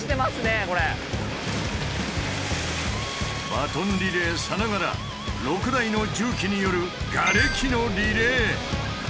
バトンリレーさながら６台の重機による「ガレキのリレー」。